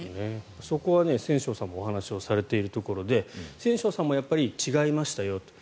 そこは千正さんもお話をされているところで千正さんもやっぱり違いましたよと。